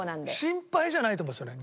心配じゃないと思うそれ。